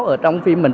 ở trong phim mình